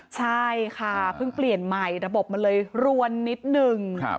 ใช่ค่ะเพิ่งเปลี่ยนใหม่ระบบมันเลยรวนนิดนึง